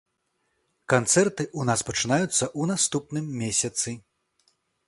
Канцэрты ў нас пачынаюцца ў наступным месяцы.